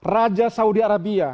raja saudi arabia